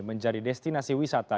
menjadi destinasi wisata